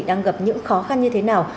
đang gặp những khó khăn như thế nào